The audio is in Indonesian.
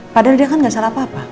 padahal dia kan gak salah apa apa